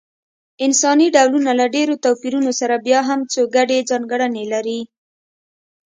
انساني ډولونه له ډېرو توپیرونو سره بیا هم څو ګډې ځانګړنې لري.